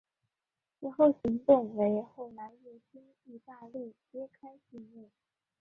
此行动为后来入侵义大利揭开续幕。